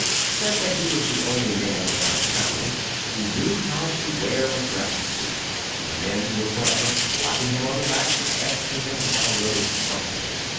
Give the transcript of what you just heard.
said that he was the only man in our town who knew how to wear a dress suit. The men were forever slapping him on the back and asking him to have a little something.